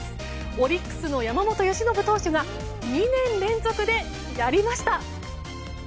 オリックスの山本由伸投手が２年連続でやりました。